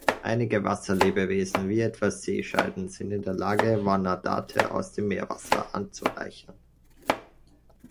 Einige Wasserlebewesen, wie etwa Seescheiden, sind in der Lage, Vanadate aus dem Meerwasser anzureichern.